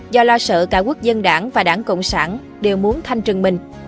do lo sợ cả quốc dân đảng và đảng cộng sản đều muốn thanh trừng mình